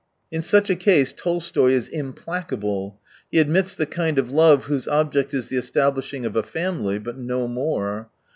In such a case Tolstoy is implacable. He admits the the kind of love whose object is the establish ^ ing of a family, but no more.